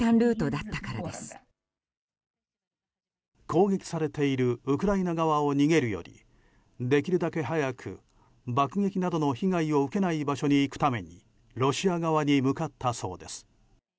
攻撃されているウクライナ側を逃げるよりできるだけ早く爆撃などの被害を受けない場所に行くためにロシア側に向かったそうです。